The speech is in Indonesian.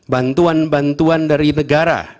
bantuan bantuan dari negara